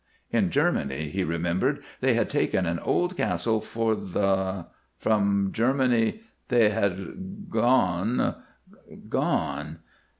In Germany, he remembered, they had taken an old castle for the From Germany they had gone gone.